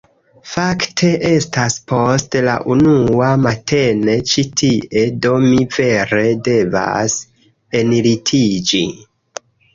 Fakte estas post la unua matene ĉi tie, do mi vere devas enlitiĝi.